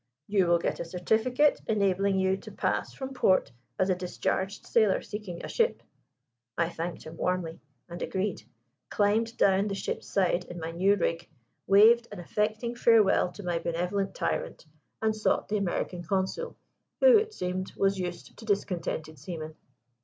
'You will get a certificate enabling you to pass from port as a discharged sailor seeking a ship.' I thanked him warmly, and agreed; climbed down the ship's side in my new rig, waved an affecting farewell to my benevolent tyrant, and sought the American Consul who (it seemed) was used to discontented seamen.